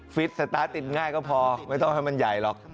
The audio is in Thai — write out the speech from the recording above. ฟิตสตาร์ทติดง่ายก็พอไม่ต้องให้มันใหญ่หรอก